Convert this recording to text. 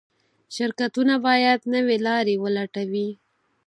شرکتونه باید نوې لارې ولټوي.